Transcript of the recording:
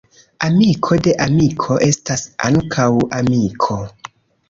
Amiko de amiko estas ankaŭ amiko.